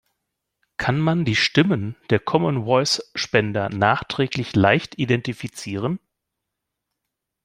Kann man die Stimmen der Common Voice Spender nachträglich leicht identifizieren?